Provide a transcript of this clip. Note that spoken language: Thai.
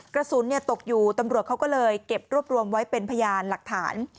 กระสุนตกอยู่ตำรวจเขาก็เลยเก็บรวบรวมไว้เป็นพยานหลักฐาน